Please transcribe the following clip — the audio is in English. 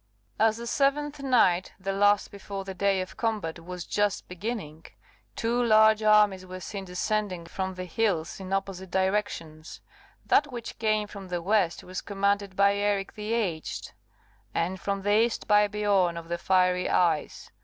As the seventh night, the last before the day of combat, was just beginning, two large armies were seen descending from the hills in opposite directions; that which came from the west was commanded by Eric the Aged, that from the east by Biorn of the Fiery Eyes.